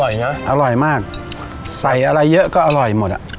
อร่อยมากใส่อะไรเยอะก็อร่อยหมดอ่ะ